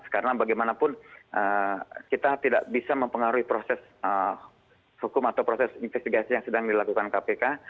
karena bagaimanapun kita tidak bisa mempengaruhi proses hukum atau proses investigasi yang sedang dilakukan kpk